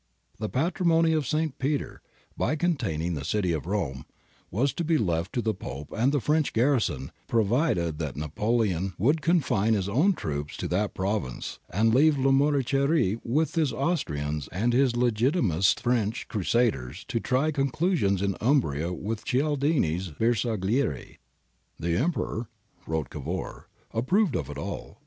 The Patrimony ofV St. Peter, containing the city of Rome, was to be left to \ the Pope and the French garrison, provided that Napoleon y would confine his own troops to that province and leave [ Lamoriciere with his Austrians and his Legitimist French } crusaders to try conclusions in Umbria with Cialdini's / Bersaglieri, 'The Emperor,' wrote Cavour, 'approved/ of it all.